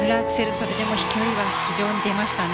それでも飛距離は非常に出ましたね